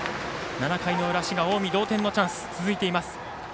７回の裏、滋賀・近江同点のチャンスが続いています。